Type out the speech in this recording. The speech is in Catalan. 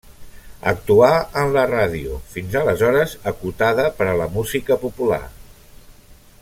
Actuà en la ràdio, fins aleshores acotada per a la música popular.